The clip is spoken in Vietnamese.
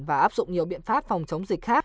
và áp dụng nhiều biện pháp phòng chống dịch khác